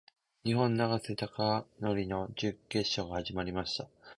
日本・永瀬貴規の準決勝が始まりました。